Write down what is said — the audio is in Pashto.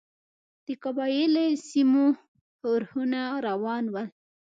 د قبایلي سیمو ښورښونه روان ول.